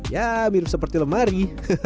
ya mirip seperti lemari